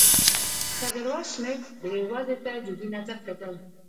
ډګروال سمیت دې وضع ته جدي نظر کتل.